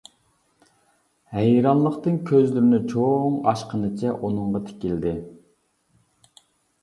ھەيرانلىقتىن كۆزلىرىنى چوڭ ئاچقىنىچە ئۇنىڭغا تىكىلدى.